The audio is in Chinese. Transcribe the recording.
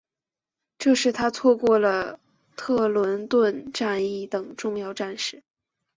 这使他错过了特伦顿战役等重要战事。